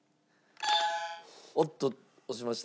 おっと押しました。